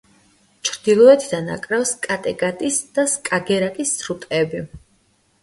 ჩრდილოეთიდან აკრავს კატეგატის და სკაგერაკის სრუტეები.